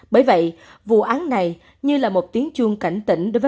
bởi vậy vụ án này như là một tiếng chuông cảnh tỉnh